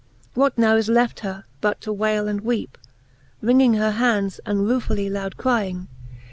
What now is left her, but to wayle and weepe, Wringing her hands, and ruefully loud crying